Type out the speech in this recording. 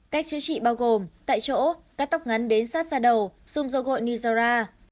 cách chữa trị bao gồm tại chỗ các tóc ngắn đến sát da đầu dùng dầu gội nizora